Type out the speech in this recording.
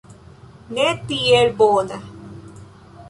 Ne tiel bona.